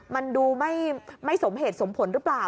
มันดูไม่สมเหตุสมผลหรือเปล่า